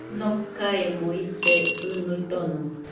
Nokaemo ite jɨnuo tono